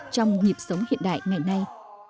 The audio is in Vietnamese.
trong nhịp sống hiện đại ngày nay